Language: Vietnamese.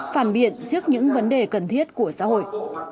phản biện trước những vấn đề cần thiết của xã hội